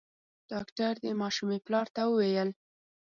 ډاکټر د ماشومي پلار ته وويل :